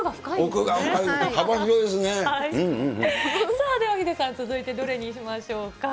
さあでは、ヒデさん、続いてどれにしましょうか。